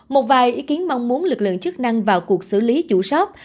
một vài ý kiến mong muốn lực lượng chức năng vào cuộc xử lý chủ sót